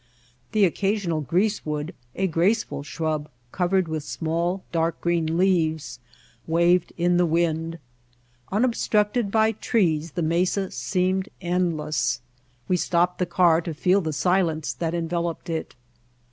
The occasional greasewood, a graceful shrub covered with small dark green leaves, waved in the wind. Unob structed by trees the mesa seemed endless. We stopped the car to feel the silence that enveloped it.